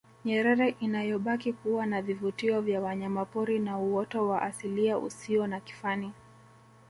Nyerere inayobaki kuwa na vivutio vya wanyamapori na uoto wa asilia usio na kifani